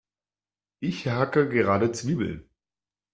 Ich hacke gerade Zwiebeln.